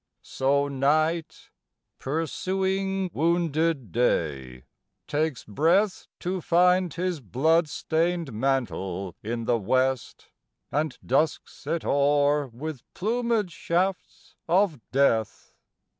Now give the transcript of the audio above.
So Night, pursuing wounded Day, takes breath To find his blood stained mantle in the west, And dusks it o'er with plumëd shafts of death.